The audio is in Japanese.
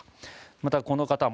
また、この方も。